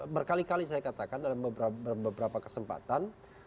berkali kali saya katakan dalam beberapa kesempatan